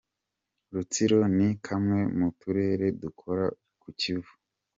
Rutsiro ni kamwe mu turere dukora ku Kivu.